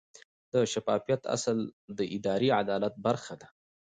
د شفافیت اصل د اداري عدالت برخه ده.